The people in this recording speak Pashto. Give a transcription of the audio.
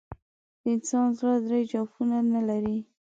د انسان زړه درې جوفونه نه لري.